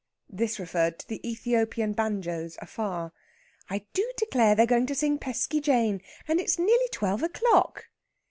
This referred to the Ethiopian banjos afar. "I do declare they're going to sing Pesky Jane, and it's nearly twelve o'clock!"